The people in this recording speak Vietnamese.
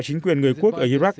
chính quyền người quốc ở iraq